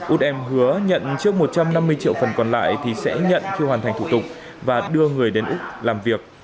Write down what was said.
út em hứa nhận trước một trăm năm mươi triệu phần còn lại thì sẽ nhận khi hoàn thành thủ tục và đưa người đến úc làm việc